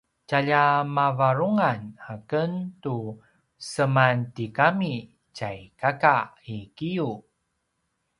tjalja mavarungan aken tu semantigami tjai kaka i giyu